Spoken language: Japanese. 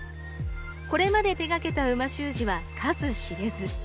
これまで手がけた美味しゅう字は数知れず。